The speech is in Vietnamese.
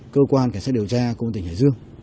cơ quan cảnh sát điều tra công ty hải dương